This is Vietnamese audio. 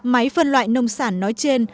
máy phân loại nông sản nói trên